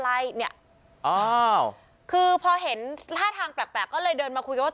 อ้าวบอกกันแล้วฝาดกัน